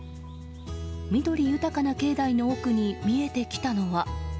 緑豊かな境内の奥に見えてきたのは。